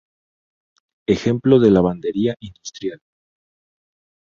Ejemplo de Lavandería Industrial.